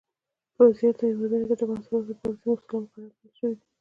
په زیاتو هېوادونو کې د محصولاتو لپاره ځینې اصول او مقررات منل شوي دي.